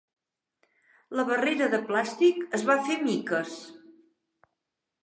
La barrera de plàstic es va fer miques.